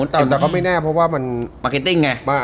แต่ก็ไม่แน่เพราะว่ามันปาร์เก็ตติ้งไง